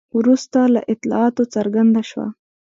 وروسته له اطلاعاتو څرګنده شوه.